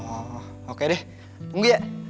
oh oke deh tunggu ya